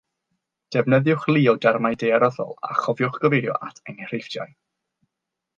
Defnyddiwch lu o dermau daearyddol a chofiwch gyfeirio at enghreifftiau